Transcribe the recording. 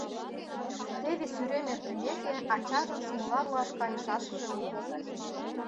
Теве Сӱрем эртымеке, ачажын смола руаш кайышашыже уло...